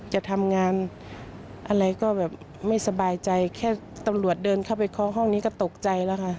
จะทำงานอะไรก็แบบไม่สบายใจแค่ตำรวจเดินเข้าไปเคาะห้องนี้ก็ตกใจแล้วค่ะ